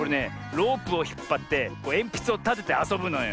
ロープをひっぱってえんぴつをたててあそぶのよ。